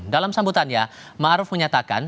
dalam sambutannya ma ruf menyatakan